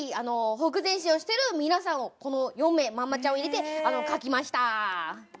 ほふく前進をしてる皆さんを４名まんまちゃんを入れて描きました。